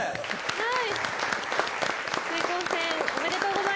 はい。